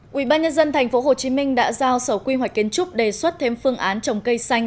quỹ ban nhân dân tp hcm đã giao sở quy hoạch kiến trúc đề xuất thêm phương án trồng cây xanh